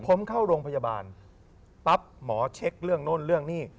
ผมเข้าโรงพยาบาลปั๊บหมอเช็คเรื่องโน่นเรื่องหนี้